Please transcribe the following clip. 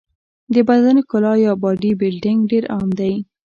د بدن ښکلا یا باډي بلډینګ ډېر عام دی.